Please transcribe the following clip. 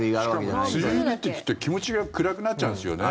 しかも梅雨入りって聞くと気持ちが暗くなっちゃうんですよね。